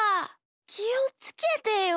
きをつけてよ。